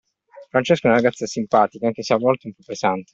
Francesca è una ragazza simpatica, anche se a volte un po' pesante.